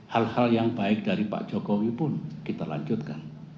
hal hal yang baik dari pak jokowi pun kita lanjutkan